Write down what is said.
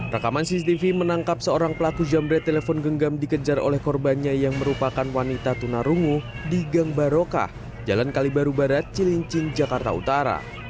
rekaman cctv menangkap seorang pelaku jambret telepon genggam dikejar oleh korbannya yang merupakan wanita tunarungu di gang barokah jalan kalibaru barat cilincing jakarta utara